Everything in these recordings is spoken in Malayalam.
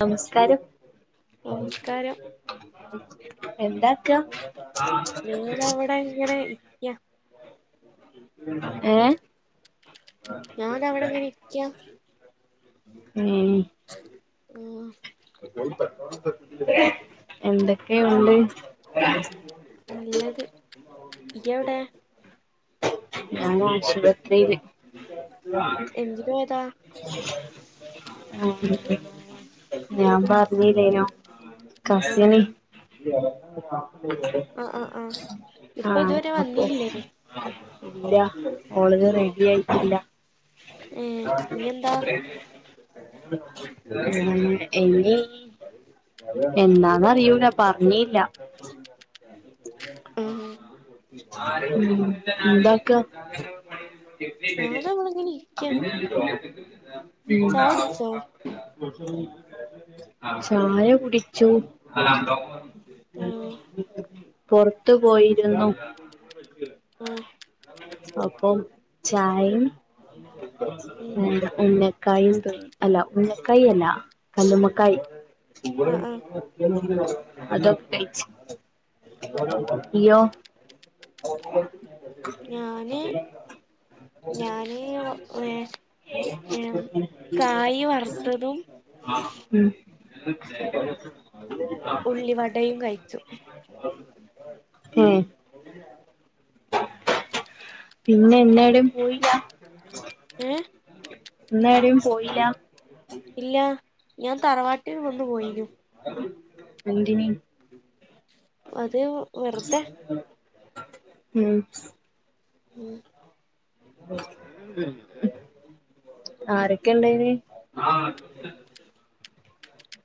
നമസ്കാരം നമസ്കാരം എന്താക്ക ഞാനിതവിടെ ങ്ങനെ ഏഹ് ഞാൻ അവിടെങ്ങനെ ഇരിക്കാ ഉം ഉം എന്തൊക്കെയുണ്ട് നല്ലത് ഇയവിടെ നാന ആശുപത്രീല് എന്തിന് പോയതാ ഉം ഞാൻ പറഞ്ഞില്ലേനോ ആഹ് കസിന് ആഹ് ആഹ് ആഹ് ഇപ്പൊ ആഹ് ഇതുവരെ അപ്പൊ വന്നീല്ലേ ഇല്ല ഓളത് റെഡി ആയിട്ടില്ല ഏഹ് ആ നീ എന്താ എന്നീ എന്നാന്നറിയൂല പറഞ്ഞീല്ല ഉം ഉം എന്താക്ക [inaudible] ഞാനവിടെങ്ങനെ ഇരിക്ക ചായ കുടിച്ചോ ഉം ചായ കുടിച്ചു ഉം പുറത്ത് പോയിരുന്നു ഉം അപ്പൊ ചായിം ഉം എ ഉന്നക്കായും അല്ല ഉന്നക്കായ അല്ല കല്ലുമ്മക്കായ് ആഹ് ആഹ് അതൊക്കെ കയ്ച്ചു ഇയോ ഞാന് ഞാന് വേ കായ് വറുത്തതും ഉം ഉള്ളി വടയും കയ്ച്ചു ഉം പിന്നെ എന്നാട പോയില്ല ഏഹ് ഇന്നേടം പോയിലാ ഇല്ല ഞാൻ തറവാട് എന്ത്‌ന് അത് വെറുതെ ഉം ഉം ആരൊക്കെ ഇണ്ടേനി ആഹ്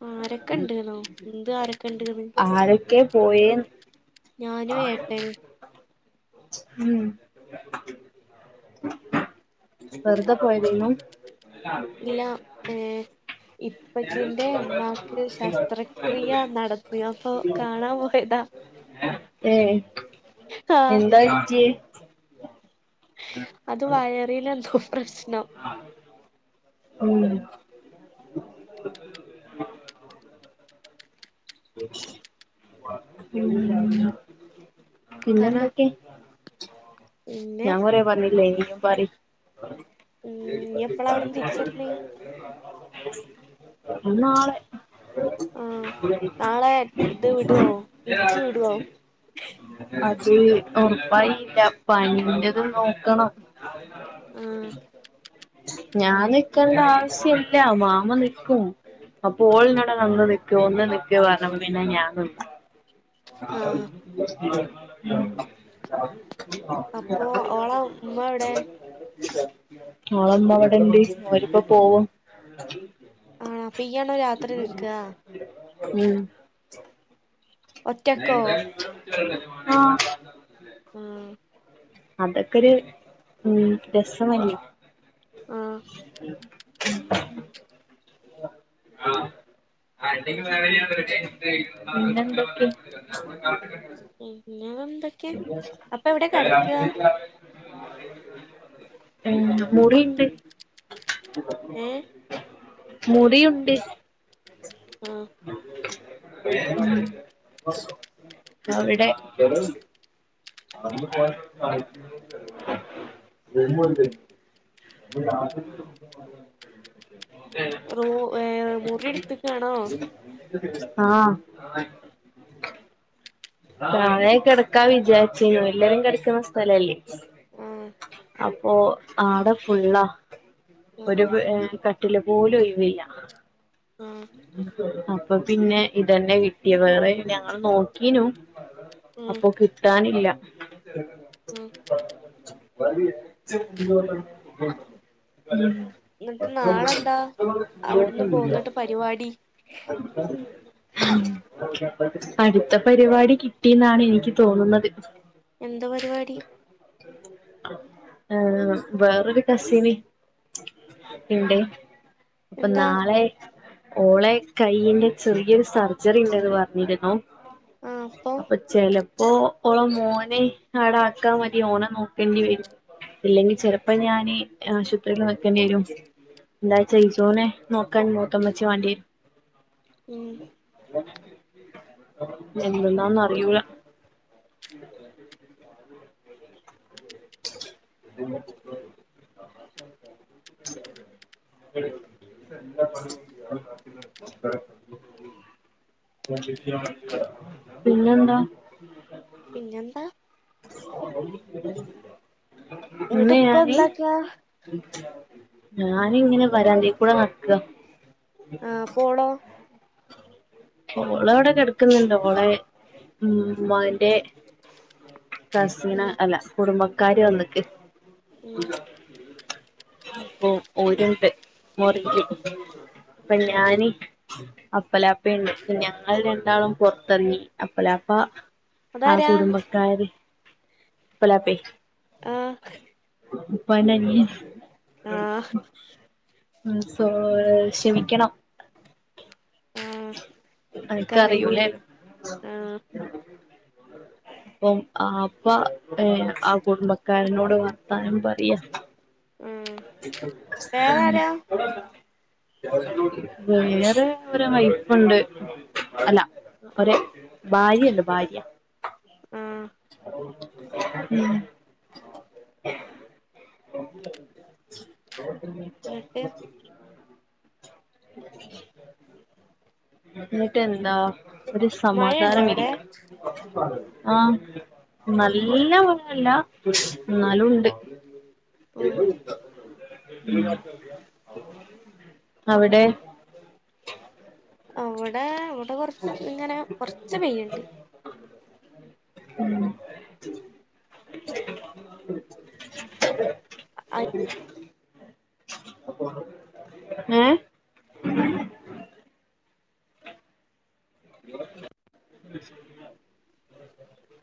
ആരൊക്കെ ഇണ്ട്ന്നോ എന്ത് ആരൊക്കെ ഇണ്ട്ന്ന് ആരൊക്കെ പോയേ ഞാനും ഏട്ടനും ഉം വെർതെ പോയതേന്നു ഏഹ് ഇപ്പച്ചീന്റെ ഇമ്മാക്ക് ശസ്ത്രക്രിയ നടത്തിപ്പോ കാണാൻ പോയതാ ഏഹ് ആഹ് എന്തായി ൻറ്റ് അത് വയറില് എന്തോ പ്രശ്നം [unintelligible] ഉം [unintelligible] പിന്നെ പറ എന്തൊക്കെ പിന്നെ ഞാൻ കൊറേ പറഞ്ഞില്ലേ ഇയും പറി ഉം ഇഞ്ഞി എപ്പളാ അവിടുന്ന് തിരിച്ചെരൽ ഇനി നാളെ ആഹ് നാളെ ഇത് വിടോ [unintelligible] ഇച്ചു വിടോ അത് ഒറപ്പായില്ല പനിന്റെത് നോക്കണം ആഹ് [unintelligible] ഞാൻ നിക്കണ്ട ആവശ്യല്ല മാമ നിക്കും അപ്പൊ ഓളിന്നോടറിഞ്ഞ് ഒന്ന് നിക്ക് ഒന്ന് നിക്ക് പറഞ്ഞപ്പൊ പിന്നെ ഞാൻ നി [unintelligible] [unintelligible] ആഹ് അപ്പൊ ഓളെ ഉമ്മ എവിടെ ഓളെ ഇമ്മ ഇബടെ ഇണ്ട് ഓരിപ്പോ പോവും ആണോ അപ്പൊ ഈയെടാ രാത്രി നിക്കാ ഉം ഒറ്റക്കോ [unintelligible] ആഹ് ആഹ് അതൊക്കൊരു ഉം രസമല്ലേ ആഹ് [unintelligible] ആഹ് പിന്നെന്തൊക്കെ പിന്നെ എന്തൊക്കെ അപ്പൊ എവിടെ കെട്ക്കാ ഉം മുറിണ്ട് ഏഹ് മുറിയുണ്ട് ആഹ് ആഹ് അവിടെ [unintelligible] [unintelligible] റൂ ഏഹ് മുറിയെടുത്തക്കാണോ ആഹ് താഴെ കെട്ക്കാ വിചാരിച്ചീനി എല്ലരും കെടക്കുന്ന സ്ഥലല്ലേ ആ അപ്പൊ ആട ഫുള്ളാ ആ ഒരു ആ വ് കട്ടില് പോലും ഒഴിവില്ല ഉം. അപ്പൊ പിന്നെ ഇതന്നെ കിട്ടിയ വേറെ ഞങ്ങൾ നോക്കീനു ഉം അപ്പൊ കിട്ടാനില്ല ഉം എന്നിട്ട് പത്ത [inaudible] നാളെന്താ അവിടുന്ന് പോന്നിട്ട് പരിപാടി അടുത്ത പരിപാടി കിട്ടിന്നാണ് എനിക്ക് തോന്നുന്നത് എന്താ പരിപാടി ആഹ് വേറൊരു കസിന് ഉണ്ട് അപ്പം എന്താ നാളെ ഓളെ കൈയിന്റെ ചെറിയൊരു സർജറി ഇൻണ്ട്ന്ന് പറഞ്ഞിരുന്നു. അപ്പൊ ചിലപ്പോ ഓള മോനെ ആട ആക്കാ മതി ഓനെ നോക്കണ്ടി വരും ഇല്ലെങ്കിൽ ചെലപ്പം ഞാന് ആശുപത്രിൽ നിക്കണ്ടി വരും എന്തായ്ച്ചാ ഇസൂനെ നോക്കാൻ മൂത്തമ്മച്ച്ചി വാണ്ടിയേ ഉം [unintelligible] എന്തന്നാന്ന് അറിയൂല ഉ പട്ട [inaudible] പിന്നെന്താ [unintelligible] പിന്നെന്താ ഇങ്ങിട്ട് ഇന്ന് ഇപ്പ ഞാനീ എന്താക്കാ ഞാനി ഇങ്ങനെ വരാന്തേ കൂടെ നടക്ക്യ ആഹ് അപോളോ ഓളവിടെ കിടക്കുന്നുണ്ട് ഓളെ ഉമ്മാന്റെ കസിന ഉം അല്ല കുടുംബക്കാര് വന്ന്ക്ക് ഉം ഓ ഓരുണ്ട് മുറില് അപ്പം ഉം ഞാന് അപ്പലാപ്പ ഇണ്ട് ഞങ്ങൾ രണ്ടാളും പൊർത്തെർങ്ങി. അപ്പലാപ്പ ആ അതാരാ കുടുംബക്കാര് അപ്പലാപ്പേ ആഹ് ഉപ്പാന്റനിയൻ ആഹ് ഉം സോ ക്ഷമിക്കണം ആ അനിക്കറിയൂല്ലേ കറിയൂലേ ആ അപ്പം ആപ്പ ഏ ആ കുടുംബക്കാരനോട് വർത്താനം പറയാ ഉം വേറെ ഒരു [unintelligible] ണ്ട് അല്ലാ ആ ഒര് ഭാര്യയ്ണ്ട് ഭാര്യ ആഹ് ഉം എന്നിട്ട് ഇന്നിട്ടെന്താ ഒരു മഴയുണ്ടോ സമാധാനം അവിടെ ഇല്ലാ ആഹ് ആ നല്ല മഴല്ലാ ഇന്നാലുണ്ട് ആ ഉം അവിടെ? അവടെ ഇവിടെ കൊറച്ച് ഇങ്ങനെ കൊറച്ച് പെയ്യ്ണ്ട് ഉം [unintelligible] ഏഹ്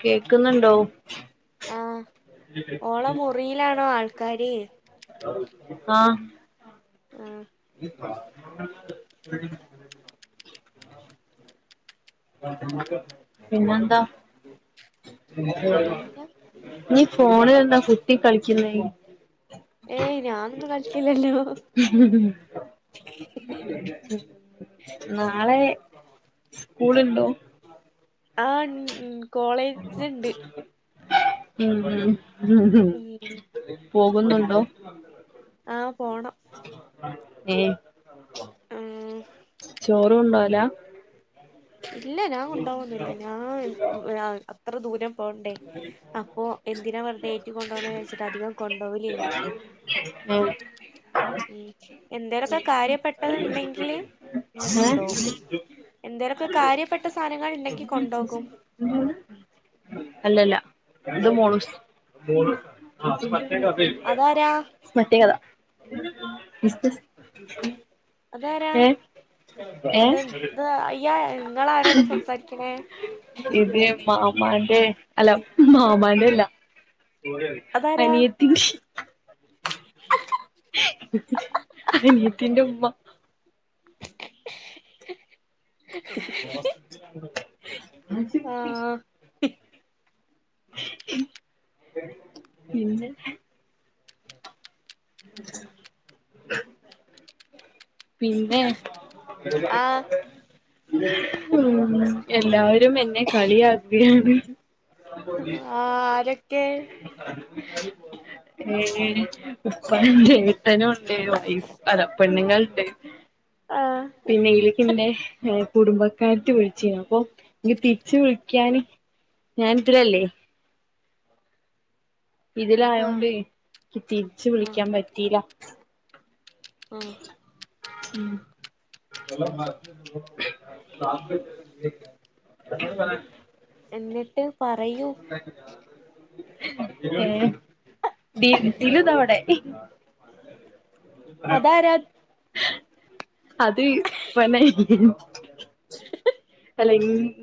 കേക്ക്ന്നുണ്ടോ? ആഹ് ഓളെ മുറീലാണോ ആൾക്കാര്? ആഹ് ആഹ് [unintelligible] പിന്നെന്താ? പിന്നെന്താ ഇഞ്ഞ് ഫോണിലെന്താ കുത്തി കളിക്ക്ന്നെ? ഏയ് ഞാനൊന്നും കളിക്കില്ലല്ലോ ഉ ഉ ഉ നാളെ സ്കൂള്ണ്ടോ? ആഹ് ഇൺ ഇൻ കോളേജ്ണ്ട് ഉം ഉം പോകുന്നുണ്ടോ? ആഹ് പോണം ഏഹ് ആഹ് ചോറ് കൊണ്ടോവലാ? ഇല്ല ഞാൻ കൊണ്ടോവൊന്നൂല്ലാ ഞാൻ [unintelligible] അത്ര ദൂരം പോണ്ടേ അപ്പോ എന്തിനാ വെർതെ ഏറ്റി കൊണ്ടോണെ വിചാരിച്ചിട്ട് അധികം കൊണ്ടോവലില്ലാ. ആഹ് ഉം എന്തേലൊക്കെ കാര്യപ്പെട്ടത് ഇണ്ടെങ്കില് ഏ കൊണ്ടോവും എന്തേലൊക്കെ കാര്യപ്പെട്ട സാനങ്ങള് ഇണ്ടെങ്കി കൊണ്ടോവും [unintelligible] അല്ലല്ലാ ഇത് മോളുസ് അതാരാ? [unintelligible] അതാരാ ഏ ഏ അതെന്ത് ഇത് അയ്യാ ഇങ്ങളാരോടാ സംസാരിക്കണേ? ഇതേ മാമാന്റെ അല്ല മാമാന്റെ അല്ലാ അതാരാ? അനിയത്തിന്റെ ഉമ്മ ആ ആഹ് പിന്നെ ഉ പിന്നെ ആഹ് എല്ലാരും എന്നെ കളിയാക്കുകയാണ് ആരെ.. [inaudible] ഉപ്പാന്റെ ട്ടനുണ്ട് വൈഫ് അല്ല പെണ്ണ്ങ്ങൾണ്ട് ആഹ് തീലെക്കിന്റെ കുടുംബക്കാര്ത്തി വിൾച്ചിനു, അപ്പൊ ന്നി തിര്ച്ച് വിൾക്യാന്.. ഞാൻ തിലല്ലെ ആഹ് ഇതിലായോണ്ട് ക്ക് തിരിച്ച് ആഹ് വിളിക്കാൻ പറ്റീല്ല ആഹ് ഉം എന്നിട്ട് പറയൂ അ ഏഹ് ദിൽ ദിലു ‌ദാ വടെ അതാരാ? അത് പ്പാന്റനിയൻ അല്ല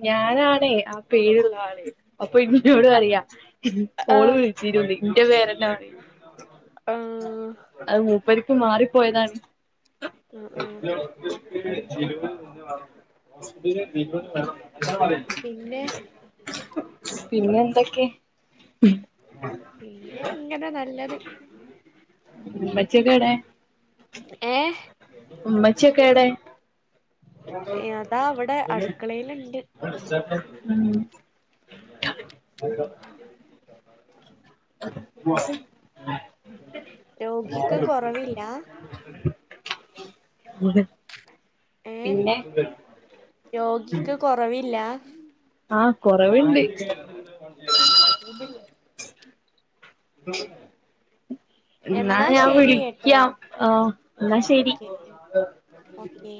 ഞാനാണേ ആ പേര്ള്ളാള്. അപ്പന്നോട് ആഹ് പറയാ ഓള് ആഹ് വിൾച്ചിനുന്ന് ന്റെ പേരന്നെ പറയാ. ആഹ് അഹ് മൂപ്പര്ക്ക് മാറിപ്പോയതാണ്. ആഹ് ആഹ് പിന്നെ പിന്നെന്തൊക്കെ? ഉം പിന്നെ ഇങ്ങനെ നല്ലത്. മ്മച്ചിയൊക്കെഎടെ? ഏഹ് ഉമ്മച്ചി യൊക്കെവ്ടെ? യതാ വടെ അട്ക്കളേല്ണ്ട്. ഉം രോഗിക്ക് കൊറവില്ലാ? ഏഹ് പിന്നെ രോഗിക്ക് കൊറവില്ല. ആഹ് കൊറവ്ണ്ട്. എന്നാ ഞാൻ ശരി കേട്ടോ വിളിക്കാം. ആഹ് ന്നാ ശെരി. Okay okay